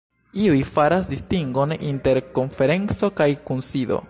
Iuj faras distingon inter konferenco kaj kunsido.